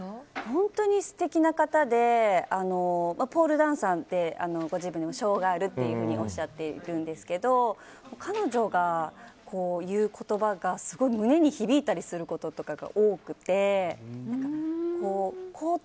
本当に素敵な方でポールダンサーで、ご自分をショーガールというふうにおっしゃっているんですけど彼女が言う言葉がすごい胸に響いたりすることとかが多くて。